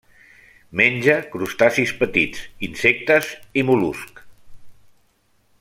Menja crustacis petits, insectes i mol·luscs.